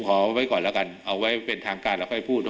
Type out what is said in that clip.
เอาไว้ก่อนแล้วกันเอาไว้เป็นทางการแล้วค่อยพูด